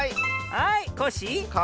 はいコッシー。